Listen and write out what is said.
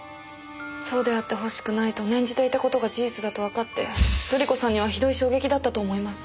そうであってほしくないと念じていた事が事実だとわかって瑠璃子さんにはひどい衝撃だったと思います。